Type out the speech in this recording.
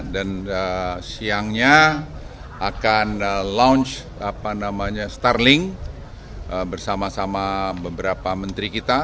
dan siangnya akan launch starlink bersama sama beberapa menteri kita